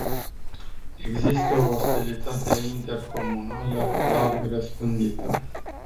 Există o ostilitate intercomunală larg răspândită.